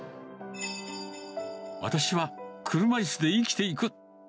私は、車いすで生きていく。